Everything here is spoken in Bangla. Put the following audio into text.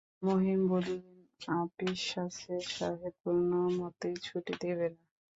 মহিম বলিলেন, আপিস আছে, সাহেব কোনোমতেই ছুটি দিবে না।